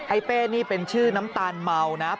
ไอ้เป้นี่เป็นชื่อน้ำตาลเมานะ